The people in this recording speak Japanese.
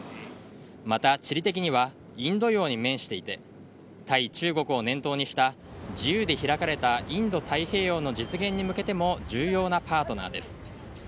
また地理的にはインド洋に面していて対中国を念頭にした自由で開かれたインド太平洋の実現に向けても重要なパートナーです。